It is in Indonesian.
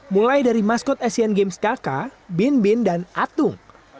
mulai dari maskot asian games kk bin bin dan atung